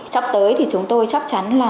trong tới thì chúng tôi chắc chắn là